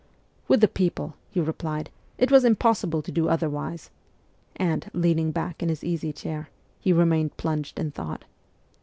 'With the people,' he replied, 'it was impossible to do otherwise ;' and, leaning back in his easy chair, he remained plunged in thought.